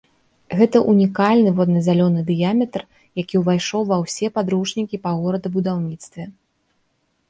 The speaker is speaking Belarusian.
Гэта ўнікальны водна-зялёны дыяметр, які ўвайшоў ва ўсе падручнікі па горадабудаўніцтве.